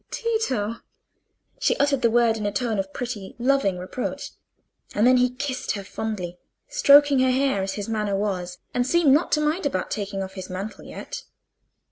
"Tito!" She uttered the word in a tone of pretty, loving reproach, and then he kissed her fondly, stroked her hair, as his manner was, and seemed not to mind about taking off his mantle yet.